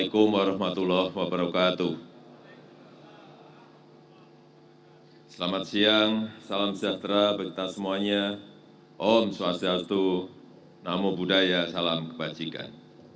yang saya hormati salam sejahtera bagi kita semuanya om swastiastu namo buddhaya salam kebajikan